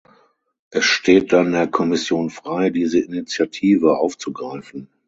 Es steht dann der Kommission frei, diese Initiative aufzugreifen.